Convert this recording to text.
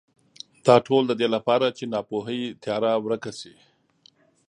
دا ټول د دې لپاره چې ناپوهۍ تیاره ورکه شي.